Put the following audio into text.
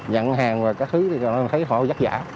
nhận hàng và các thứ thì thấy họ rất giả